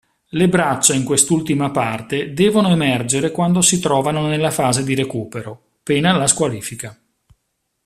Le braccia in quest'ultima parte devono emergere quando si trovano nella fase di recupero, pena la squalifica.